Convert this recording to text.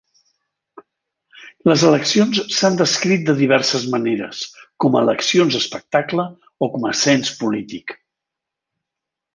Les eleccions s'han descrit de diverses maneres, com a eleccions espectacle o com a cens polític.